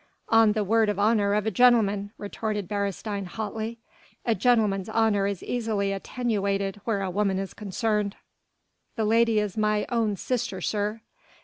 "On the word of honour of a gentleman!" retorted Beresteyn hotly. "A gentleman's honour is easily attenuated where a woman is concerned." "The lady is my own sister, sir."